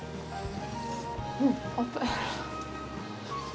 うん、熱いっ。